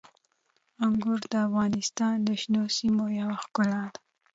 انګور د افغانستان د شنو سیمو یوه ښکلا ده.